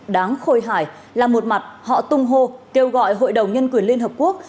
đáng khôi hải là một mặt họ tung hô kêu gọi hội đồng nhân quyền liên hợp quốc